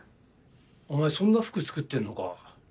お前そんな服作ってんのか